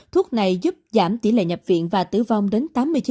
thuốc này giúp giảm tỷ lệ nhập viện và tử vong đến tám mươi chín